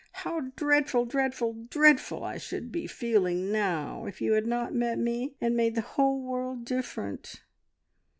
How dreadful, dreadful, dreadful I should be feeling now if you had not met me, and made the whole world different!"